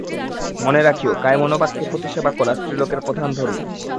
মনে রাখিও, কায়মনোবাক্যে পতিসেবা করা স্ত্রীলোকের প্রধান ধর্ম।